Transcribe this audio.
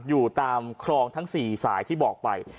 อยู่ตามคลองทั้ง๔สายที่บอกไป